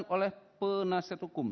oleh penasihat hukum